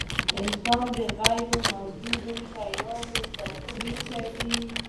انسان د غیرموجودو شیانو تصور کوي.